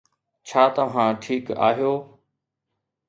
ڇا توهان ٺيڪ آهيو